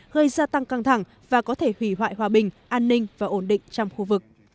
gây gia tăng căng thẳng và có thể hủy hoại hòa bình an ninh và ổn định trong khu vực